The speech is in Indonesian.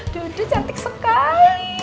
duduk cantik sekali